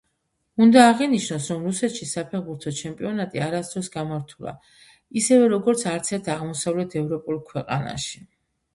უნდა აღინიშნოს, რომ რუსეთში საფეხბურთო ჩემპიონატი არასდროს გამართულა, ისევე როგორც არცერთ აღმოსავლეთ ევროპულ ქვეყანაში.